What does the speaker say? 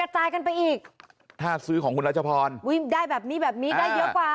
จ่ายกันไปอีกถ้าซื้อของคุณรัชพรอุ้ยได้แบบนี้แบบนี้ได้เยอะกว่า